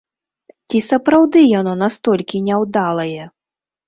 Ці сапраўды яно настолькі няўдалае?